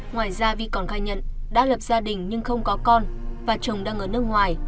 ngoài ra vi còn khai nhận đã lập gia đình nhưng không có con và chồng đang ở nước ngoài